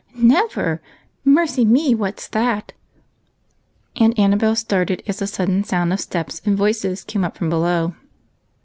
"Never. Mercy me, what's that?" and Annabel started as a sudden sound of steps and voices came up from below.